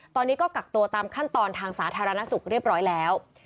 ตอนนี้ก็กักตัวตามขั้นตอนทางสาธารณสุขเรียบร้อยแล้ว